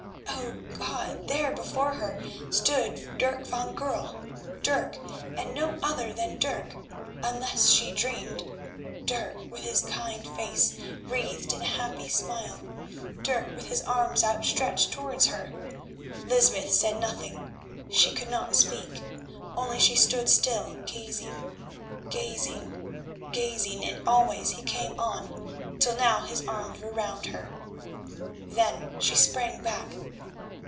Oh, God! there before her stood Dirk van Goorl. Dirk, and no other than Dirk, unless she dreamed, Dirk with his kind face wreathed in a happy smile, Dirk with his arms outstretched towards her. Lysbeth said nothing, she could not speak, only she stood still gazing, gazing, gazing, and always he came on, till now his arms were round her. Then she sprang back.